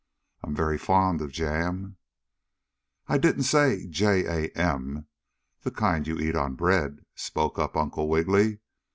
"I'm very fond of jam." "I didn't say j a m the kind you eat on bread," spoke Uncle Wiggily.